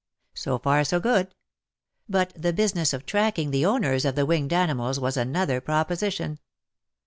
So far so good. But the business of tracking the owners of the winged animals was another proposition.